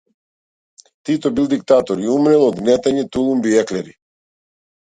Тито бил диктатор и умрел од гнетење тулумби и еклери.